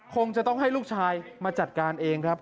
คงจะต้องให้ลูกชายมาจัดการเองครับ